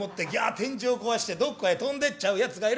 天井を壊してどっかへ飛んでっちゃうやつがいる。